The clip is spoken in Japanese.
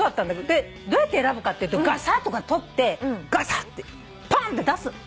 でどうやって選ぶかっていうとガサッと取ってぽんって出す。